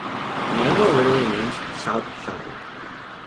Nango literally means "south shire".